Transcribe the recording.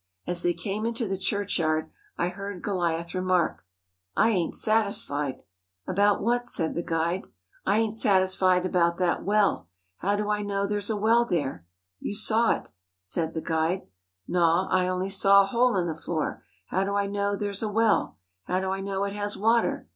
As they came into the churchyard I heard Goliath remark: "I ain't satisfied." "About what?" said the guide. "I ain't satisfied about that well. How do I know there's a well there?" "You saw it," said the guide. "Naw, I only saw a hole in the floor. How do I know there's a well? How do I know it has water?